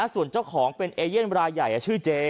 ส่วนเจ้าของเป็นเอเย่นรายใหญ่ชื่อเจ